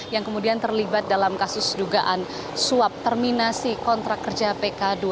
yang kemudian terlibat dalam kasus dugaan suap terminasi kontrak kerja pkm